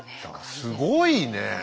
すごいねえ。